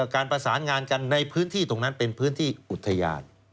การประสานงานกันในพื้นที่ตรงนั้นเป็นพื้นที่อุทยาน